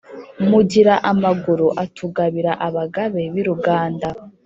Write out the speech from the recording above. Mugira amaguru atugabira Abagabe b’i Ruganda